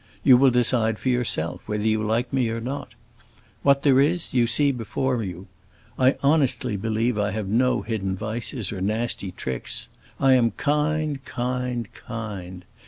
You will decide for yourself whether you like me or not. What there is you see before you. I honestly believe I have no hidden vices or nasty tricks. I am kind, kind, kind!